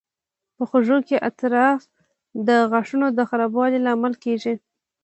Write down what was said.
په خوږو کې افراط د غاښونو د خرابوالي لامل کېږي.